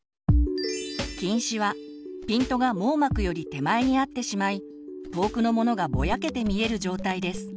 近視はピントが網膜より手前に合ってしまい遠くのものがぼやけて見える状態です。